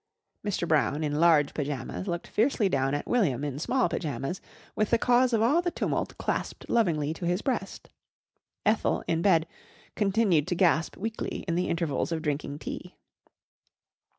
Mr. Brown in large pyjamas looked fiercely down at William in small pyjamas with the cause of all the tumult clasped lovingly to his breast. Ethel, in bed, continued to gasp weakly in the intervals of drinking tea.